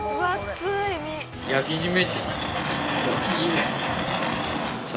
焼き締め。